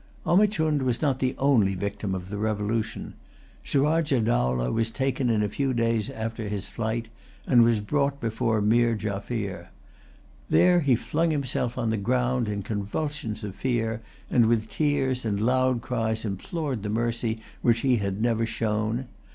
Omichund was not the only victim of the revolution. Surajah Dowlah was taken a few days after his flight, and was brought before Meer Jaffier. There he flung himself on the ground in convulsions of fear, and with tears and loud cries implored the mercy which he had never shown.